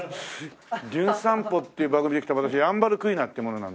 『じゅん散歩』っていう番組で来た私ヤンバルクイナっていう者なんですけども。